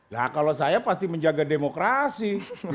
nah kalau saya pasti menjaga demokrasi